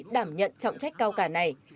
đảm nhận trọng trách cao cả này